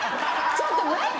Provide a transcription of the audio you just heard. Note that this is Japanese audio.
ちょっと待って。